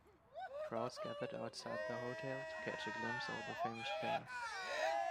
Crowds gathered outside the hotel to catch a glimpse of the famous pair.